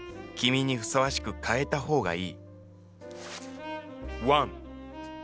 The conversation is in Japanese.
君にふさわしく変えた方がいい。